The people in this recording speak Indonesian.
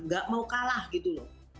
gak mau kalah gitu loh